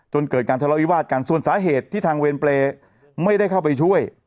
เกิดการทะเลาวิวาสกันส่วนสาเหตุที่ทางเวรเปรย์ไม่ได้เข้าไปช่วย